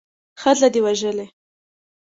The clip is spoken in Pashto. ښځه دې وژلې.